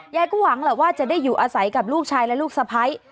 ก็หวังแหละว่าจะได้อยู่อาศัยกับลูกชายและลูกสะพ้าย